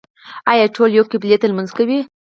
آیا ټول یوې قبلې ته لمونځ کوي؟